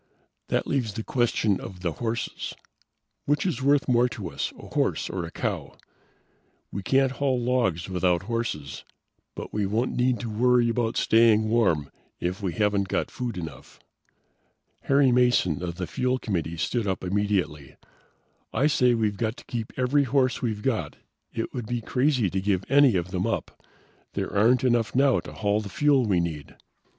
"That leaves the question of the horses. Which is worth more to us: a horse or a cow? We can't haul logs without horses, but we won't need to worry about staying warm if we haven't got food enough." Harry Mason of the fuel committee stood up immediately. "I say we've got to keep every horse we've got. It would be crazy to give any of them up. There aren't enough now to haul the fuel we need."